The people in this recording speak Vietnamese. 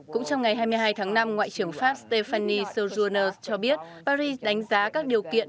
cũng trong ngày hai mươi hai tháng năm ngoại trưởng pháp stefani sojuners cho biết paris đánh giá các điều kiện